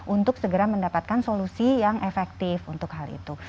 untuk segera mendapatkan solusi yang efektif untuk hal itu